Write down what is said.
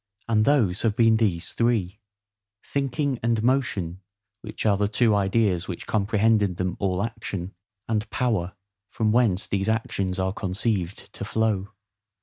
And those have been these three:—THINKING and MOTION (which are the two ideas which comprehend in them all action,) and POWER, from whence these actions are conceived to flow.